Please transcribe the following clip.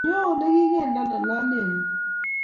Nyuu oligigindeno lolengung